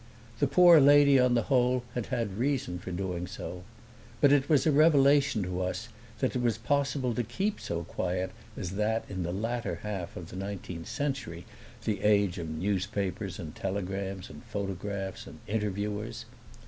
The poor lady on the whole had had reason for doing so. But it was a revelation to us that it was possible to keep so quiet as that in the latter half of the nineteenth century the age of newspapers and telegrams and photographs and interviewers.